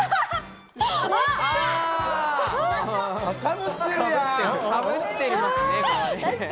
かぶってますね。